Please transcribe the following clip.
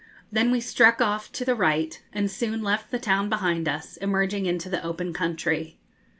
Then we struck off to the right, and soon left the town behind us, emerging into the open country.